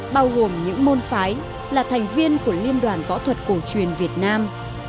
bao gồm những môn phái là thành viên của liên đoàn võ thuật cổ truyền việt nam